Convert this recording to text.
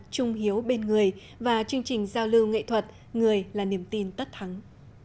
trung hiếu bên người và chương trình giao lưu nghệ thuật người là niềm tin tất thắng